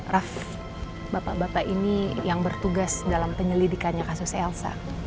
raff bapak bapak ini yang bertugas dalam penyelidikannya kasus elsa